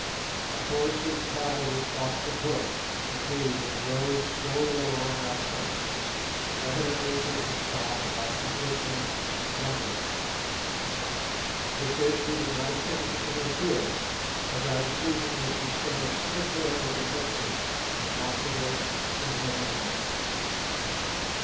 A force of cavalry crossed the brook, indeed, and rode slowly along our front, evidently taking stock of our position and numbers. With this we did not attempt to interfere, as our decision was to stand strictly on the defensive, and not to waste a single man.